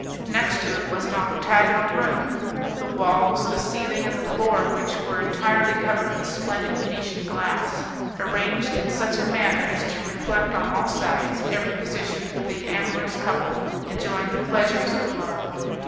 Next to it was an octagonal room, the walls, the ceiling, and the floor of which were entirely covered with splendid Venetian glass, arranged in such a manner as to reflect on all sides every position of the amorous couple enjoying the pleasures of love.